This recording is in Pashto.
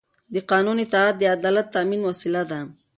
د قانون اطاعت د عدالت د تأمین وسیله ده